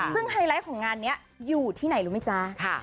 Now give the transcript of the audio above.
ซึ่งไฮไลท์ของงานนี้อยู่ที่ไหนรู้ไหมจ๊ะ